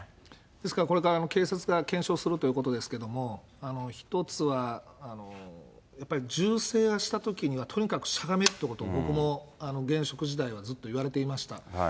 ですからこれから警察が検証するということですけれども、一つは、やっぱり銃声がしたときには、とにかくしゃがめっていうことを、僕も現職時代はずっと言われていました。